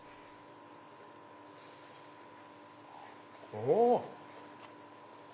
お！